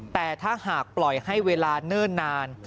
แต่ถ้าหากปล่อยให้เวลาเนิ่นนาน